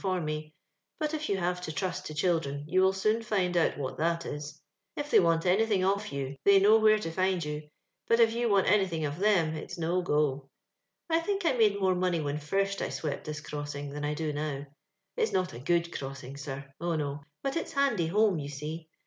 for me; but if you have to trust to children, you will soon find out what that is. If tliey want anything of you, they know where to find you ; but if you want anything of them, its no go. " 1 think I made more money when first I swept tliis crossing than I do now ; it's not a (jood crossing, sir. Oh, no ; but it's handy home, you see.